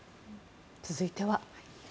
続いては。